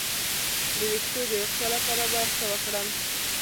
د ویښتو د روغتیا لپاره باید څه وکړم؟